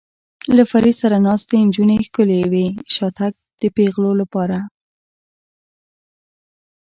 له فرید سره ناستې نجونې ښکلې وې، شاتګ د پېغلو لپاره.